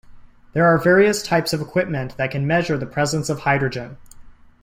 There are various types of equipment that can measure the presence of hydrogen.